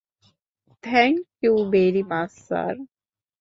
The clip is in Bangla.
Thank you very much sir.